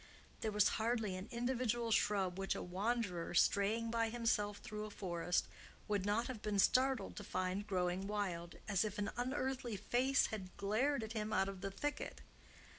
There was hardly an individual shrub which a wanderer, straying by himself through a forest, would not have been startled to find growing wild, as if an unearthly face had glared at him out of the thicket.